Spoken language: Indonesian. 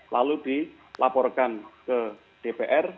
lalu dilaporkan ke dpr